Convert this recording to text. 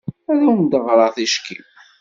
Ad awen-d-ɣreɣ ticki?